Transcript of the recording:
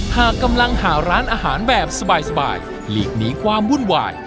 หากกำลังหาร้านอาหารแบบสบายหลีกหนีความวุ่นวาย